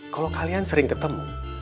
kalau kalian sering ketemu